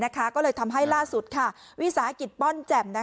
ก็เลยทำให้ล่าสุดวิสาหกิจป้อนแจ่ม